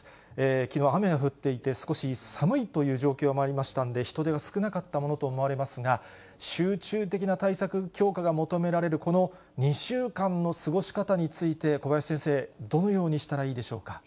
きのう雨が降っていて、少し寒いという状況もありましたので、人出は少なかったものと思われますが、集中的な対策強化が求められるこの２週間の過ごし方について、小林先生、どのようにしたらいいでしょうか。